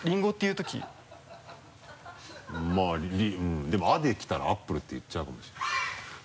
うんまぁでも「あ」で来たら「アップル」って言っちゃうかもしれない。